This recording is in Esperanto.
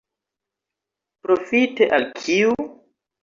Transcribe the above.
Profite al kiu?